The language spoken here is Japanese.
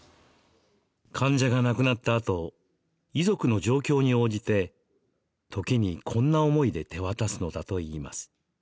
患者が亡くなったあと遺族の状況に応じて時に、こんな思いで手渡すのだといいます。